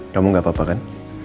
kamu gak apa apa kan